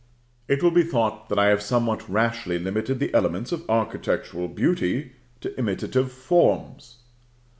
It will be thought that I have somewhat rashly limited the elements of architectural beauty to imitative forms.